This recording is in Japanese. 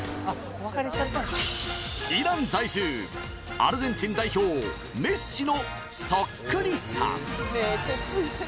イラン在住アルゼンチン代表メッシのそっくりさん。